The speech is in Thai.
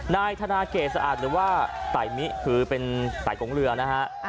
นายธนาเกษอาจหรือว่าไต่มิคือเป็นไต่กงเรือนะฮะ